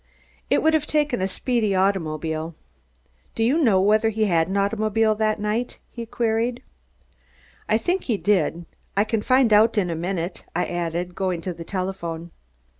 It would have taken a speedy automobile. Do you know whether he had an automobile that night?" he queried. "I think he did. I can find out in a minute," I added, going to the telephone.